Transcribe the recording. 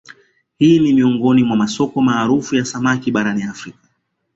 Hili ni miongoni mwa masoko maarufu ya samaki barani Afrika